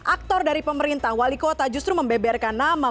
aktor dari pemerintah wali kota justru membeberkan nama